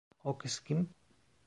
O kız kim?